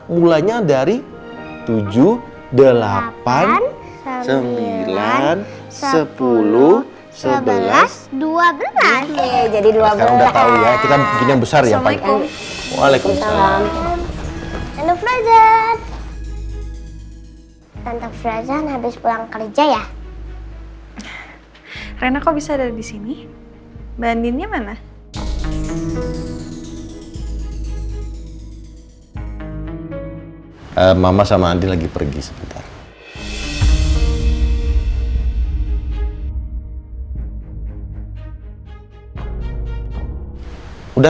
mama gak tau